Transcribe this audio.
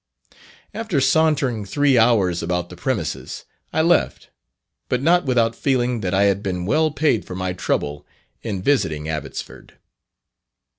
After sauntering three hours about the premises, I left, but not without feeling that I had been well paid for my trouble in visiting Abbotsford.